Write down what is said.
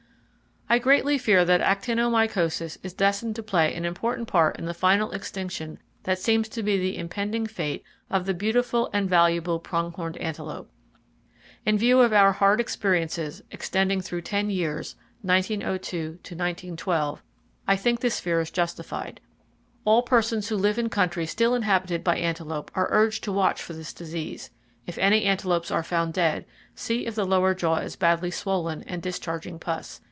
I greatly fear that actinomycosis is destined to play an important part in the final extinction that seems to be the impending fate of the beautiful and valuable prong horned antelope. In view of our hard experiences, extending through ten years (1902 1912), I think this fear is justified. All persons who live in country still inhabited by antelope are urged to watch for this disease. If any antelopes are found dead, see if the lower jaw is badly swollen and discharging pus.